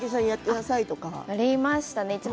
ありましたね。